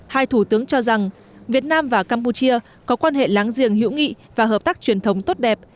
hai thủ tướng cho rằng việt nam và campuchia có quan hệ láng giềng hữu nghị và hợp tác truyền thống tốt đẹp